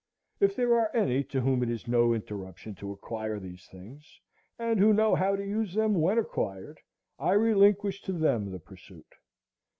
If there are any to whom it is no interruption to acquire these things, and who know how to use them when acquired, I relinquish to them the pursuit.